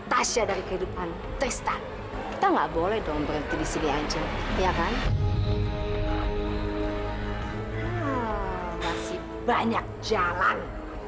tasya dari kehidupan kita enggak boleh dong berhenti di sini aja ya kan kasih banyak jalan